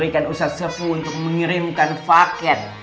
diberikan usaha sebuah untuk mengirimkan fakir